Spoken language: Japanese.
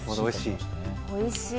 おいしい！